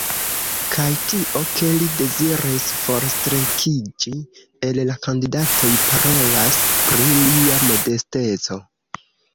Kaj tio, ke li deziris forstrekiĝi el la kandidatoj, parolas pri lia modesteco.